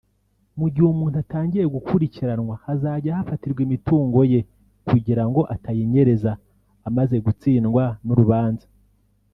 Mu gihe umuntu atangiye gukurikiranwa hazajya hafatirwa imitungo ye kugira ngo atayinyereza amaze gutsindwa n’urubanza